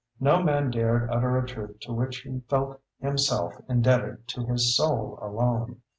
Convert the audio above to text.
No man dared utter a truth to which he felt himself indebted to his Soul alone.